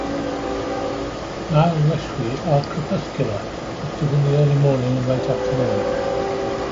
Nile lechwe are crepuscular, active in the early morning and late afternoon.